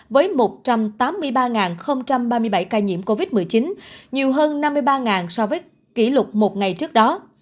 với một trăm tám mươi ba ba mươi bảy ca nhiễm covid một mươi chín nhiều hơn năm mươi ba so với kỷ lục một ngày trước đó